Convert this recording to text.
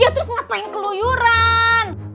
ya terus ngapain keluyuran